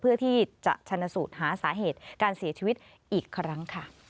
เพื่อที่จะชนะสูตรหาสาเหตุการเสียชีวิตอีกครั้งค่ะ